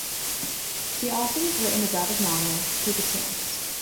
She has also written the graphic novel "Take a Chance".